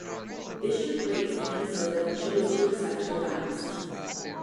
Bishop Grace of Minnesota chose to accept her vows.